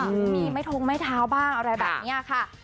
มีไม่ทงไม่เท้าบ้างอะไรแบบเนี่ยค่ะ